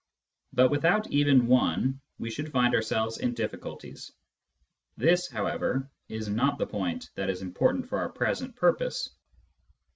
But without even one we should find ourselves in diffi culties. This, however, is not the point that is important for our present purpose.